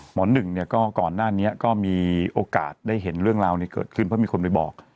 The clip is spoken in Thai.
หนึ่งเนี่ยก็ก่อนหน้านี้ก็มีโอกาสได้เห็นเรื่องราวนี้เกิดขึ้นเพราะมีคนไปบอก